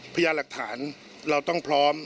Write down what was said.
พยายามหลักฐานเราต้องพร้อม